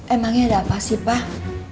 emangnya ada apa sih pak